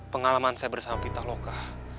pengalaman saya bersama pita loka